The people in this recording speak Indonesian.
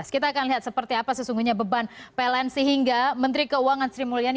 kita akan lihat seperti apa sesungguhnya beban pln sehingga menteri keuangan sri mulyani